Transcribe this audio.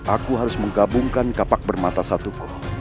aku harus menggabungkan kapak bermata satuku